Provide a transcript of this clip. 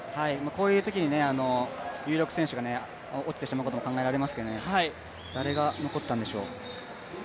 こういうときに有力選手が落ちてしまうことも考えられますけど誰が残ったんでしょう。